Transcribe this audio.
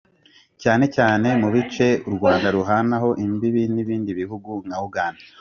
cyane cyane mu bice u Rwanda ruhanaho imbibi n’ibindi bihugu nka Uganda